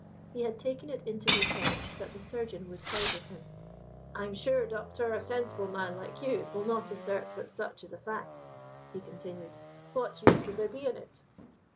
He had taken it into his head that the surgeon would side with him. "I'm sure, doctor, a sensible man like you will not assert that such is a fact?" he continued. "What use would there be in it?"